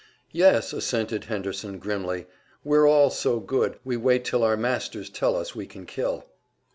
"Yes," assented Henderson, grimly. "We're all so good we wait till our masters tell us we can kill."